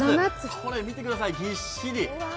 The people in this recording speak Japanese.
これ見てください、ぎっしり。